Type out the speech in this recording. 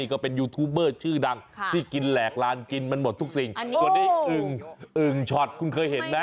ขอบคุณไหมยกสัก